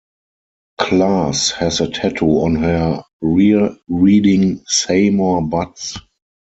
Klass has a tattoo on her rear reading Seymore Butts.